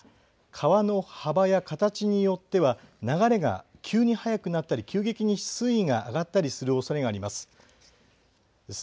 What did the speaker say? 川の幅や形によっては流れが急に速くなったり急激に水位が上がったりするおそれがあります。